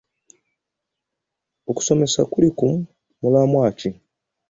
Okusomesa kuli ku mulamwa ki?